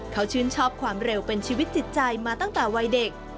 เขาชื่นชอบความเร็วเป็นชีวิตจิตใจมาตั้งแต่วัยเด็ก